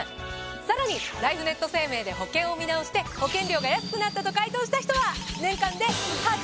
さらにライフネット生命で保険を見直して保険料が安くなったと回答した人は。